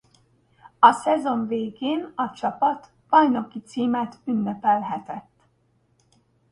A szezon végén a csapat bajnoki címet ünnepelhetett.